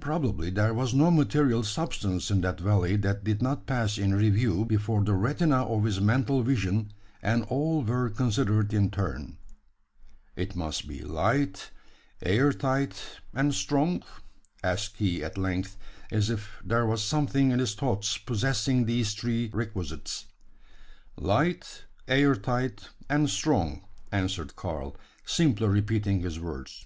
Probably, there was no material substance in that valley that did not pass in review before the retina of his mental vision; and all were considered in turn. "It must be light, air tight, and strong?" asked he, at length, as if there was something in his thoughts possessing these three requisites. "Light, air tight, and strong," answered Karl, simply repeating his words.